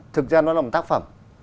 thực ra nó là một tác phẩm